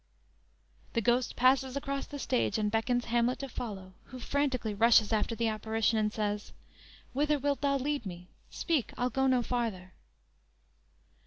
"_ The Ghost passes across the stage and beckons Hamlet to follow, who frantically rushes after the apparition and says: _"Whither wilt thou lead me? Speak, I'll go no farther."